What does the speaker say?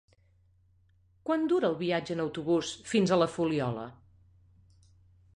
Quant dura el viatge en autobús fins a la Fuliola?